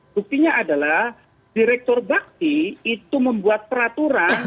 buktinya adalah direktur bakti itu membuat peraturan